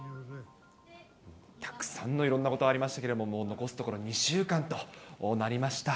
たくさんのいろんなことがありましたけど、もう残すところ２週間となりました。